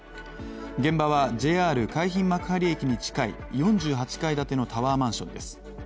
現場はＪＲ海浜幕張駅に近い４８階建てのタワーマンションです。